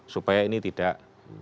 supaya ini tidak